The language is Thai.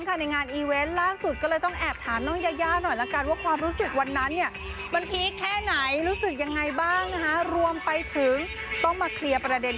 ตรงชัดจัดว่าแรงเหมือนกัน